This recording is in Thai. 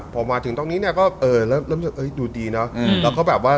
พอมาถึงตอนนี้เริ่มจะดูดีเนอะ